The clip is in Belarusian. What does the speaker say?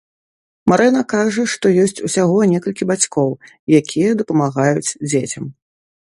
Марына кажа, што ёсць усяго некалькі бацькоў, якія дапамагаюць дзецям.